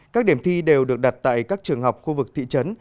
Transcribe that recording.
các điểm thi đều được đặt tại các trường học khu vực thị trấn